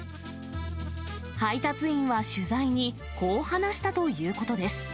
配達員は取材に、こう話したということです。